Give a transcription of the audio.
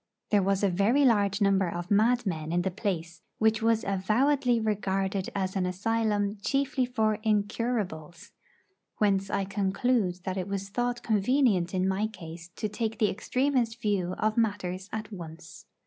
There was a very large number of madmen in the place, which was avowedly regarded as an asylum chiefly for 'incurables,' whence I conclude that it was thought convenient in my case to take the extremest view of matters at once.